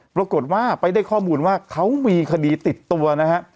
ปรากฏว่าไปได้ข้อมูลว่าเขามีคดีติดตัวนะฮะ